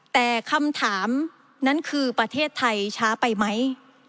แต่คำถามนั้นคือประเทศไทยช้าไปไหม